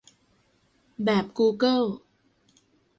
"แบบกูเกิล"